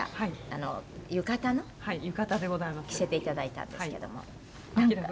「着せて頂いたんですけども」